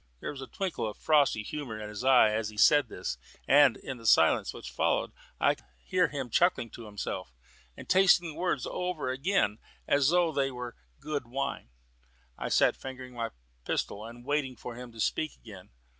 There was a twinkle of frosty humour in his eye as he said this, and in the silence which followed I could hear him chuckling to himself, and tasting the words over again as though they were good wine. I sat fingering my pistol and waiting for him to speak again.